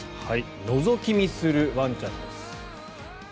のぞき見するワンちゃんです。